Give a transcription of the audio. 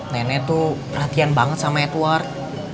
nenek tuh perhatian banget sama edward